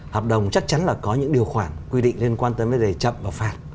hợp đồng chắc chắn là có những điều khoản quy định liên quan tới vấn đề chậm và phạt